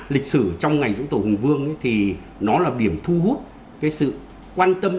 lịch sử trong ngày dỗ tổ hùng vương thì nó là điểm thu hút sự quan tâm